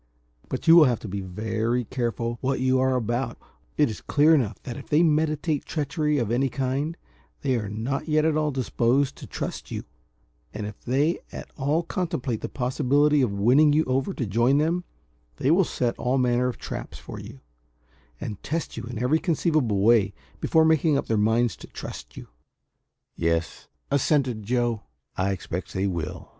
But you will have to be very careful what you are about: it is clear enough that, if they meditate treachery of any kind, they are not yet at all disposed to trust you; and if they at all contemplate the possibility of winning you over to join them, they will set all manner of traps for you, and test you in every conceivable way before making up their minds to trust you." "Yes," assented Joe, "I expects they will.